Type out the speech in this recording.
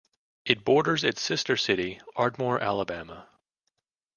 It borders its sister city, Ardmore, Alabama.